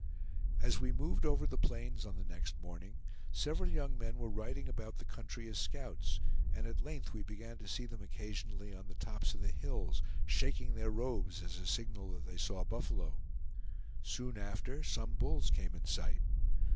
As we moved over the plains on the next morning, several young men were riding about the country as scouts; and at length we began to see them occasionally on the tops of the hills, shaking their robes as a signal that they saw buffalo. Soon after, some bulls came in sight.